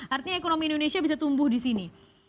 artinya ekonomi indonesia bisa tumbuh di sini